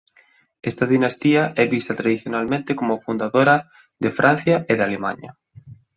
Esta dinastía é vista tradicionalmente como o fundadora de Francia e de Alemaña.